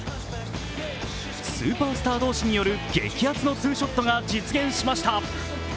スーパースター同士による激アツのツーショットが実現しました。